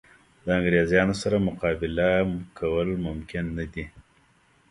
د انګرېزانو سره مقابله کول ممکن نه دي.